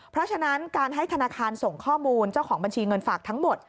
เพราะฉะนั้นการให้ธนาคารส่งข้อมูลเจ้าของบัญชีเงินฝากทั้งหมด